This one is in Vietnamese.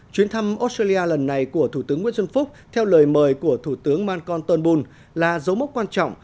chuyến thăm australia lần này của thủ tướng nguyễn xuân phúc theo lời mời của thủ tướng mancon tôn bùn là dấu mốc quan trọng